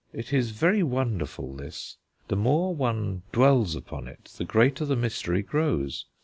It is very wonderful this; the more one dwells upon it, the greater the mystery grows.